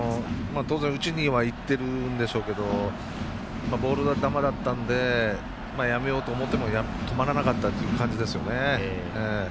当然打ちにいっているんでしょうけどボール球だったんですがやめようと思ってもとまらなかったっていう感じですよね。